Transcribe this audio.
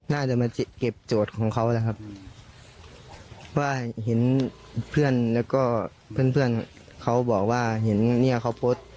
น่าจะมาเก็บโจทย์ของเขานะครับว่าเห็นเพื่อนแล้วก็เพื่อนเพื่อนเขาบอกว่าเห็นเนี่ยเขาโพสต์